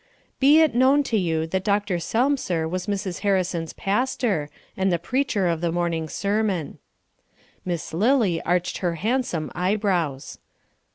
Be it known to you that Dr. Selmser was Mrs. Harrison's pastor, and the preacher of the morning sermon. Miss Lily arched her handsome eyebrows.